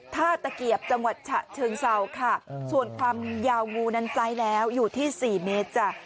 ตะเกียบจังหวัดฉะเชิงเศร้าค่ะส่วนความยาวงูนั้นใจแล้วอยู่ที่สี่เมตรจ้ะ